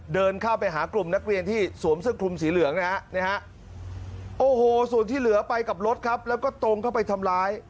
เดินเข้าไปหากลุ่มนักเรียนที่สวมเสื้อคลุมสีเหลืองนะฮะโอ้โหส่วนที่เหลือไปกับรถครับแล้วก็ตรงเข้าไปทำร้าย